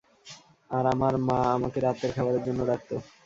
আর আমার মা আমাকে রাতের খাবারের জন্য ডাকতো।